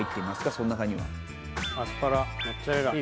その中には。